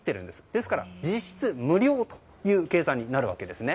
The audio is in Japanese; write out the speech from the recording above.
ですから、実質無料という計算になるわけです。